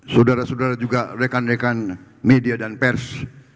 saudara saudara juga rekan rekan media dan pers